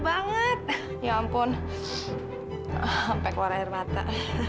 banget ya ampun sampai keluar air mata